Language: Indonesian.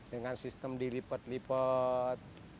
dengan sistem dilipat lipat